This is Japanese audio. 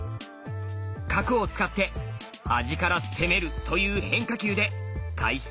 角を使って端から攻めるという変化球で開始